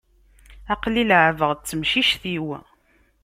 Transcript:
Aql-i leεεbeɣ d temcict-iw.